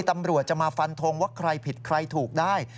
ตำรวจจะมาฟันทงว่าใครผิดใครถูกได้